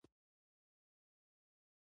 کانفیو سیس وایي ښکلا د لیدلو لپاره ده.